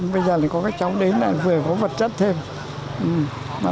bây giờ thì có các cháu đến là vừa có vật chất thêm